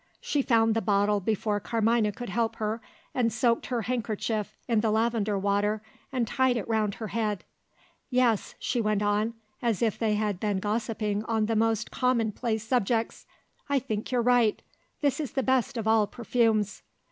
She found the bottle before Carmina could help her, and soaked her handkerchief in the lavender water, and tied it round her head. "Yes," she went on, as if they had been gossiping on the most commonplace subjects, "I think you're right: this is the best of all perfumes."